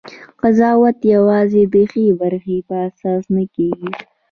قضاوت یوازې د ښې برخې په اساس نه کېږي.